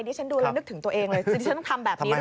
นี่ฉันดูแล้วนึกถึงตัวเองเลยว่าจะต้องทำแบบนี้หรือเปล่า